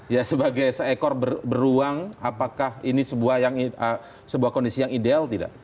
ya sebagai seekor beruang apakah ini sebuah kondisi yang ideal tidak